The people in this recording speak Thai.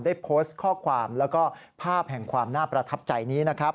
ได้โพสต์ข้อความแล้วก็ภาพแห่งความน่าประทับใจนี้นะครับ